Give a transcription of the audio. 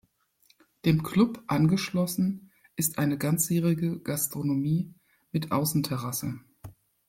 Dem Club angeschlossen ist eine ganzjährige Gastronomie mit Außenterrasse.